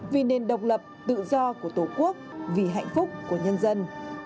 vì nền độc lập tự do của tổ quốc vì hạnh phúc của nhân dân